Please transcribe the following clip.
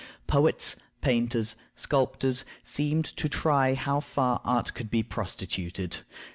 Poets, painters, sculptors, seemed to try how far art could be prostituted.